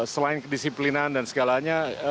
selain kedisiplinan dan segalanya